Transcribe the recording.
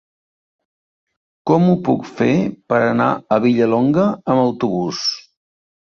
Com ho puc fer per anar a Vilallonga amb autobús?